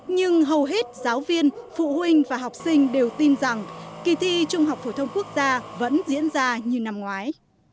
nhưng hầu hết giáo viên phụ huynh và học sinh đều tin rằng kỳ thi trung học phổ thông quốc gia vẫn diễn ra như năm ngoái